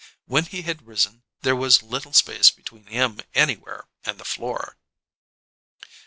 When he had risen, there was little space between him anywhere and the floor.